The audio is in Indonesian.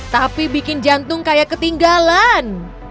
tapi bikin jantung kayak ketinggalan